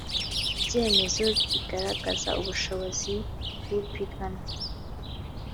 ibyemezo bigaragaza ubushobozi bw upiganwa